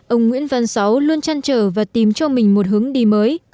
ông nguyễn văn sáu luôn chăn trở và tìm cho mình một hướng đi mới